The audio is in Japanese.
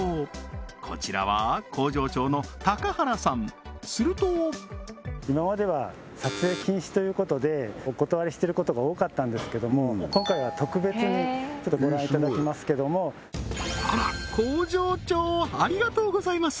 こちらは工場長の高原さんすると今までは撮影禁止ということでお断りしてることが多かったんですけども今回は特別にちょっとご覧いただきますけどもあら工場長ありがとうございます！